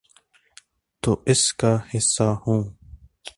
تو اس کا حصہ ہوں۔